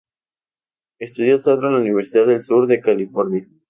Estudió teatro en la Universidad del Sur de California.